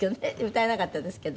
歌えなかったんですけど。